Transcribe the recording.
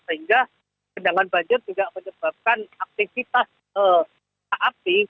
sehingga kendangan banjir juga menyebabkan aktivitas api